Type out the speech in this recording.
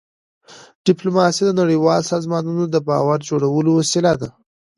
ډيپلوماسي د نړیوالو سازمانونو د باور جوړولو وسیله ده.